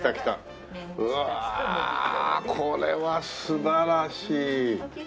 うわあこれは素晴らしい。